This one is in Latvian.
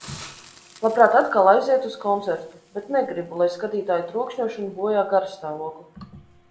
Labprāt atkal aizietu uz koncertu, bet negribu, lai skatītāju trokšņošana bojā garastāvokli.